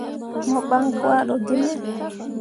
Mo ɓan gwado gi me.